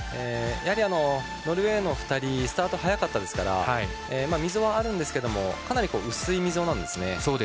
ノルウェーの２人はスタート速かったですから溝はあるんですけどかなり薄い溝なんですね。